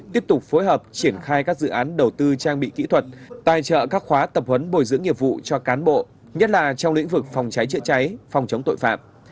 tiếp tục phối hợp triển khai các dự án đầu tư trang bị kỹ thuật tài trợ các khóa tập huấn bồi dưỡng nghiệp vụ cho cán bộ nhất là trong lĩnh vực phòng cháy chữa cháy phòng chống tội phạm